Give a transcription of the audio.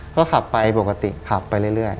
ก็ขับไปปกติขับไปเรื่อย